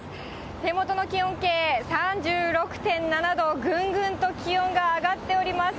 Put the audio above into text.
手元の気温計、３６．７度、ぐんぐんと気温が上がっております。